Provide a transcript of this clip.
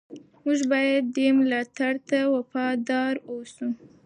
موږ باید دې ملاتړ ته وفادار اوسو.